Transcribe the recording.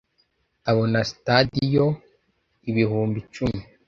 abona sitadiyo ibihumbi cumi